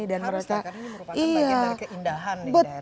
harusnya karena ini merupakan bagian dari keindahan di daerah ini